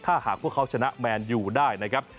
ถ้าหากพวกเขาชนะแมนยูได้นะครับ